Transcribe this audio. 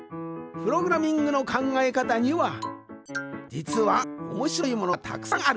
プログラミングのかんがえかたにはじつはおもしろいものがたくさんある。